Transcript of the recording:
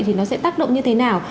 thì nó sẽ tác động như thế nào